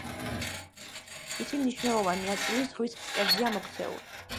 მისი მნიშვნელოვან ნაწილი ზღვის ფსკერზეა მოქცეული.